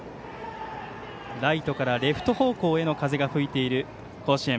ライトからレフト方向への風が吹いている甲子園。